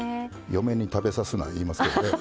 嫁に食べさすな言いますよね。